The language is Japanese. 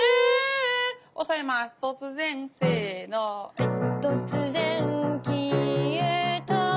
はい。